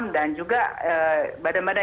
dan juga badan badan